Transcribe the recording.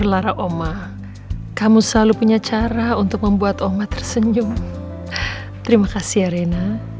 lara oma kamu selalu punya cara untuk membuat oma tersenyum terima kasih erena